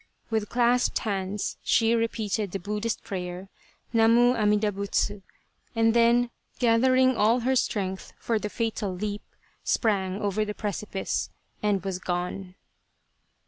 With clasped hands she repeated the Buddhist prayer, " Namu Amida Butsu" and then, gathering all her strength for the fatal leap, sprang over the precipice and was gone.